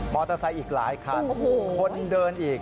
เตอร์ไซค์อีกหลายคันคนเดินอีก